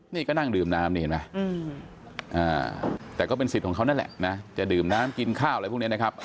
นี่ก็นั่งดื่มน้ำนี่เห็นไหมแต่ก็เป็นสิทธิ์ของเขานั่นแหละนะจะดื่มน้ำกินข้าวอะไรพวกนี้นะครับ